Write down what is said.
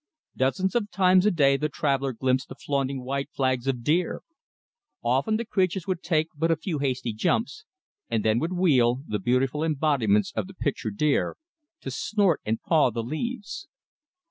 Dozens of times a day the traveller glimpsed the flaunting white flags of deer. Often the creatures would take but a few hasty jumps, and then would wheel, the beautiful embodiments of the picture deer, to snort and paw the leaves.